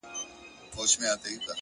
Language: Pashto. هوډ د شکمنو قدمونو لارښود دی.